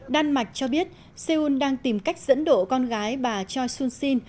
đan mạch cho biết seoul đang tìm cách dẫn độ con gái bà choi soon sin